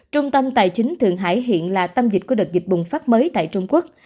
trung tâm tài chính thượng hải hiện là tâm dịch của đợt dịch bùng phát mới tại trung quốc